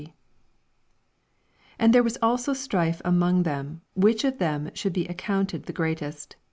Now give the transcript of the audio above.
24 And there was also strife among Ihein, which of them should be ao eounted the greatest.